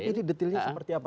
ini detailnya seperti apa